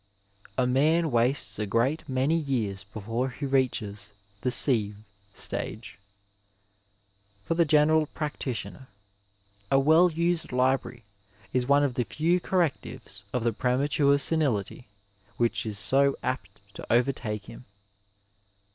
A man wastes a great many years before he reaches the '* sive " stage. For the general practitioner a well used library is one of the few correctives of the premature senility which is so apt to overtake him.